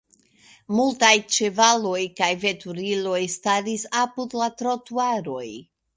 Multaj ĉevaloj kaj veturiloj staris apud la trotuaroj.